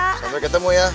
sampai ketemu ya